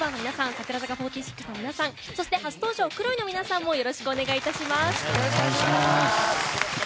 櫻坂４６の皆さんそして初登場Ｋｒｏｉの皆さんもよろしくお願いします。